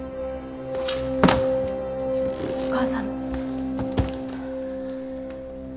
お母さん。